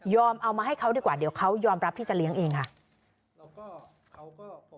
เอามาให้เขาดีกว่าเดี๋ยวเขายอมรับที่จะเลี้ยงเองค่ะ